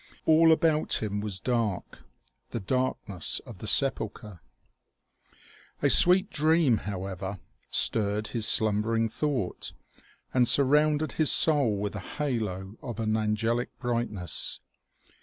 All about him was dark the darkness of the sepulchre. OMEGA. 247 A sweet dream, however, stirred his slumbering thought, and surrounded his soul with a halo of an gelic brightness.